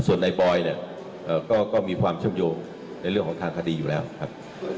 ส่วนในบอยเนี่ยก็มีความเชื่อมโยงในเรื่องของทางคดีอยู่แล้วครับ